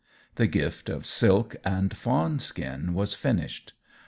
The gift of silk and fawn skin was finished.